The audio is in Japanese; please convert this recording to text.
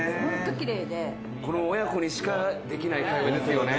「この親子にしかできない会話ですよね。